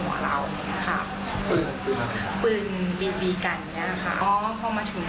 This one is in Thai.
มันรถมันชนตรงนี้เฉียว